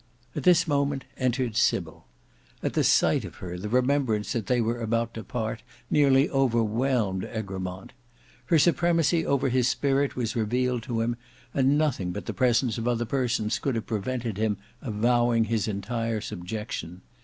At this moment entered Sybil. At the sight of her, the remembrance that they were about to part, nearly overwhelmed Egremont. Her supremacy over his spirit was revealed to him, and nothing but the presence of other persons could have prevented him avowing his entire subjection.